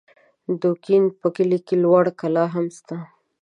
د دوکین په کلي کې لوړه کلا هم سته